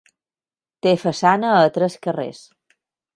Té façana a tres carrers.